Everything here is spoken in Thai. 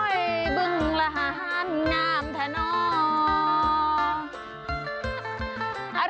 อุ๊ยบึงระหานนามท่าน็อร์